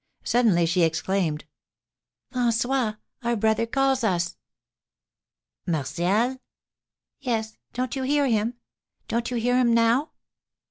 Suddenly she exclaimed, "François, our brother calls us." "Martial?" "Yes; don't you hear him? Don't you hear him now?"